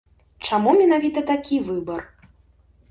Чаму менавіта такі выбар?